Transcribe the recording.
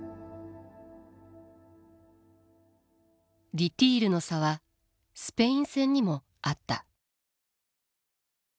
ディティールの差はスペイン戦にもあった。